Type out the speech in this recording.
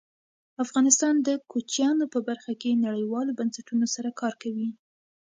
افغانستان د کوچیانو په برخه کې نړیوالو بنسټونو سره کار کوي.